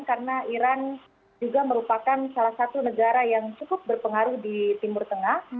karena iran juga merupakan salah satu negara yang cukup berpengaruh di timur tengah